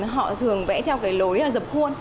họ thường vẽ theo cái lối dập khuôn